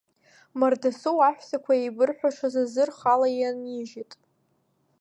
Мардасоу аҳәсақәа иеибырҳәашаз азы рхала иаанижьит.